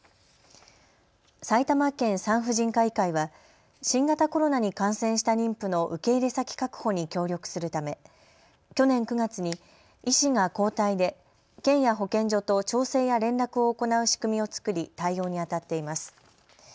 埼玉県産婦人科医会は新型コロナに感染した妊婦の受け入れ先確保に協力するため去年９月に医師が交代で県や保健所と調整や連絡を行う仕組みを作り対応にあたっています。